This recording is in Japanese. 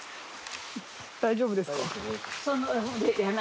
大丈夫ですか？